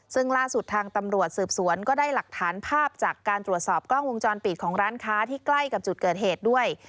ซึ่งล่าสุดทางตำรวจสืบสวนก็ได้หลักฐานภาพจากการตรวจสอบกล้องวงจรปิดของร้านค้าที่ใกล้กับจุดเกิดเหตุด้วย